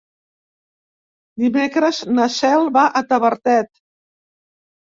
Dimecres na Cel va a Tavertet.